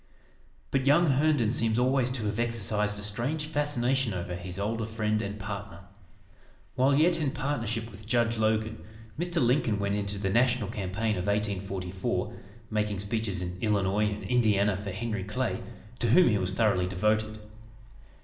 But young Herndon seems always to have exercised a strange fascination over his older friend and partner. While yet in partnership with Judge Logan, Mr. Lincoln went into the national campaign of 1844, making speeches in Illinois and Indiana for Henry Clay, to whom he was thoroughly devoted.